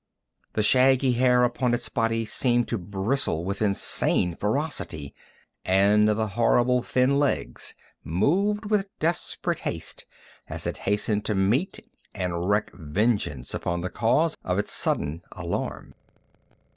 The shaggy hair upon its body seemed to bristle with insane ferocity, and the horrible, thin legs moved with desperate haste as it hastened to meet and wreak vengeance upon the cause of its sudden alarm.